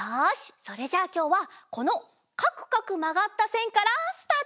それじゃあきょうはこのかくかくまがったせんからスタート！